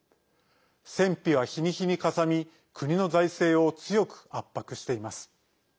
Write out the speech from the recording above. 戦費は日に日にかさみ国の財政を強く圧迫しています。